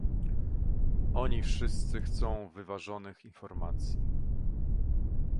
Oni wszyscy chcą wyważonych informacji